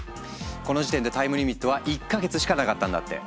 この時点でタイムリミットは１か月しかなかったんだって。